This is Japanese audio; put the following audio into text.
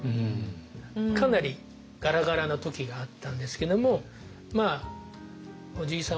かなりガラガラな時があったんですけどもおじいさん